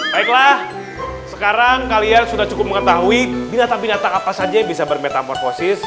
baiklah sekarang kalian sudah cukup mengetahui binatang binatang apa saja yang bisa bermetamorfosis